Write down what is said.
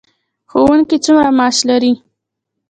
ښوونکي څومره معاش لري؟